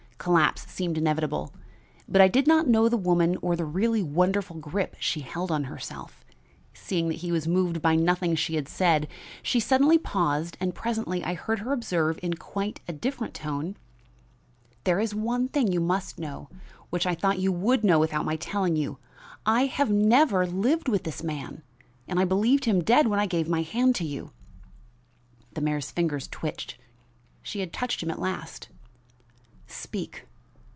Collapse seemed inevitable, but I did not know the woman or the really wonderful grip she held on herself. Seeing that he was moved by nothing she had said, she suddenly paused, and presently I heard her observe in quite a different tone: "There is one thing you must know which I thought you would know without my telling you. I have never lived with this man, and I believed him dead when I gave my hand to you." The mayor's fingers twitched. She had touched him at last. "Speak!